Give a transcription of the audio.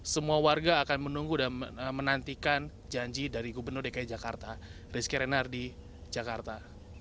semua warga akan menunggu dan menantikan janji dari gubernur dki jakarta rizky renar di jakarta